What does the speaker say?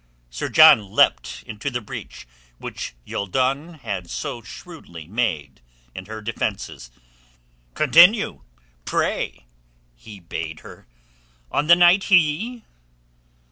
Sir John leapt into the breach which Youldon had so shrewdly made in her defences. "Continue, pray," he bade her. "On the night he...."